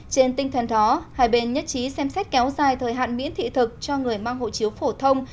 trên tinh thần đó hai bên nhất trí xem xét kéo dài thời hạn miễn thị thực cho người mang hộ chiếu phổ thông